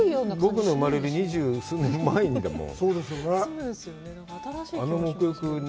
僕の生まれる二十数年前だもん。